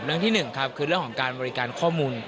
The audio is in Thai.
ที่๑ครับคือเรื่องของการบริการข้อมูล